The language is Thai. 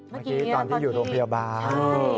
เมื่อกี้ตอนที่อยู่โรงพยาบาล